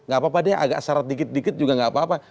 gak apa apa deh agak syarat dikit dikit juga nggak apa apa